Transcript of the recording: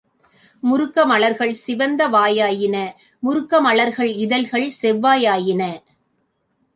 முருக்கமலர்கள் சிவந்த வாய் ஆயின முருக்க மலர்கள் இதழ்ச் செவ்வாய் ஆயின.